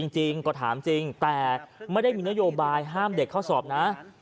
จริงก็ถามจริงแต่ไม่ได้มีนโยบายห้ามเด็กเข้าสอบนะ